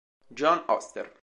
John Oster